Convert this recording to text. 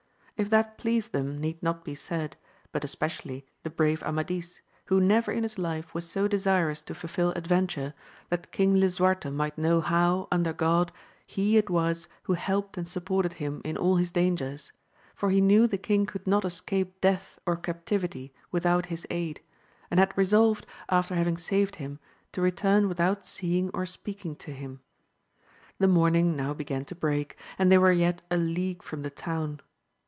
If that pleased them need not be said, but especially the brave Amadis, who never in his life was so desirous to fulfil adventure, that King Lisuarte might know AMADIS OF GAVL. 231 how, under God, he it was who helped and supported him in all his dangers ; for he knew the king could not escape death or captivity without his aid, and had resolved, after having saved him, to return without seeing or speaking to him. The morning now began to break, and they were yet a league from the town.